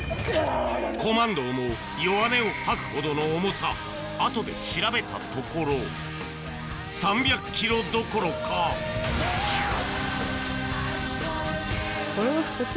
コマンドーも弱音を吐くほどの重さ後で調べたところ３００ｋｇどころかこれは？こっち。